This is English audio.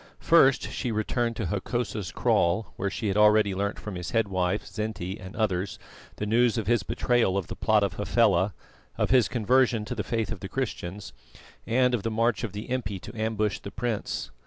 First she returned to Hokosa's kraal, where she had already learnt from his head wife, Zinti, and others the news of his betrayal of the plot of Hafela, of his conversion to the faith of the Christians, and of the march of the impi to ambush the prince.